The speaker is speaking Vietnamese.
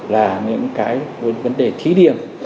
là những cái vấn đề thí điểm